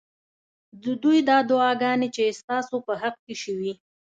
ددوی دا دعاګانې چې ستا سو په حق کي شوي